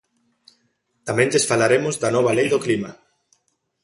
Tamén lles falaremos da nova lei do Clima.